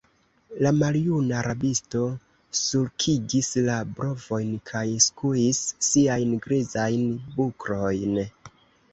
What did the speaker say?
La maljuna rabisto sulkigis la brovojn kaj skuis siajn grizajn buklojn.